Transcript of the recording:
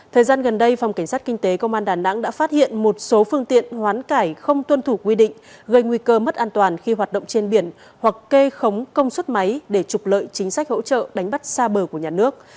thời gian gần đây phòng cảnh sát kinh tế công an đà nẵng đã phát hiện một số phương tiện hoán cải không tuân thủ quy định gây nguy cơ mất an toàn khi hoạt động trên biển hoặc kê khống công suất máy để trục lợi chính sách hỗ trợ đánh bắt xa bờ của nhà nước